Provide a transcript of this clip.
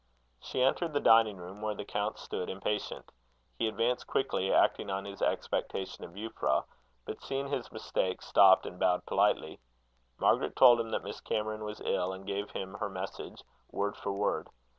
She entered the dining room, where the count stood impatient. He advanced quickly, acting on his expectation of Euphra, but seeing his mistake, stopped, and bowed politely. Margaret told him that Miss Cameron was ill, and gave him her message, word for word.